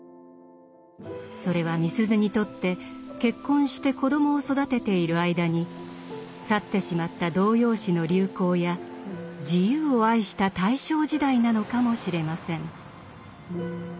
それはみすゞにとって結婚して子どもを育てている間に去ってしまった童謡詩の流行や自由を愛した大正時代なのかもしれません。